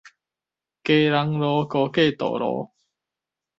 基隆路高架道路